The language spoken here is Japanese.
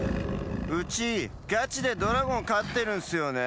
うちガチでドラゴンかってるんすよね。